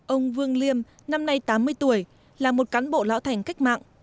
ông vương liêm năm nay tám mươi tuổi là một cán bộ lão thành cách mạng